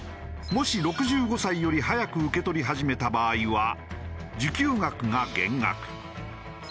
もし６５歳より早く受け取り始めた場合は受給額が減額。